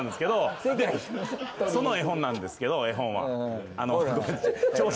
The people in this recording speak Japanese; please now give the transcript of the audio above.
その絵本なんですけど絵本は。